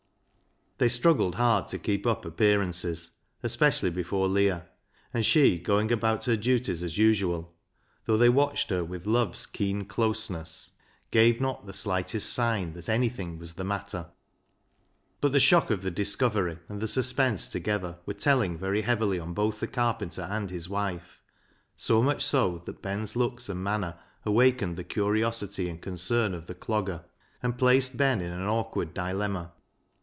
They struggled hard to keep up appearances, especially before Leah, and she, going about her duties as usual, though they watched her LEAH'S LOVER 59 with love's keen closeness, gave not the slightest sign that anything was the matter. But the shock of the discovery and the sus pense together were telling very heavily on both the carpenter and his wife, so much so that Ben's looks and manner awakened the curiosity and concern of the Clogger, and placed Ben in an awkward dilemma.